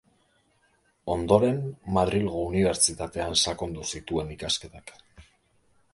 Ondoren Madrilgo Unibertsitatean sakondu zituen ikasketak.